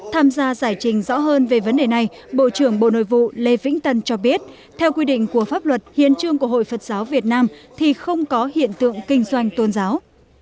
tham gia giải trình rõ hơn về vấn đề này bộ trưởng bộ nội vụ lê vĩnh tân cho biết theo quy định của pháp luật hiến trương của hội phật giáo việt nam thì không có hiện tượng kinh doanh tôn giáo